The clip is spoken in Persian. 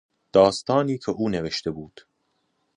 داستانی که او نوشته بود